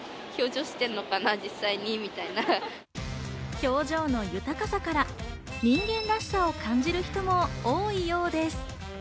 表情の豊かさから人間らしさを感じる人も多いようです。